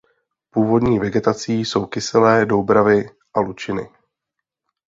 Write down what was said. Původní vegetací jsou kyselé doubravy a lučiny.